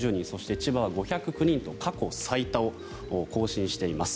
千葉は５０９人と過去最多を更新しています。